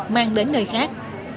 mang đến nơi khác